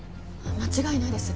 間違いないです